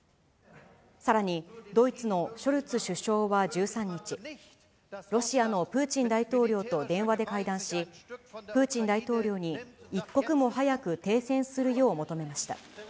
さらにドイツのショルツ首相は１３日、ロシアのプーチン大統領と電話で会談し、プーチン大統領に一刻も早く停戦するよう求めました。